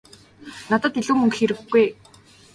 Надад илүү мөнгө хэрэггүй ээ.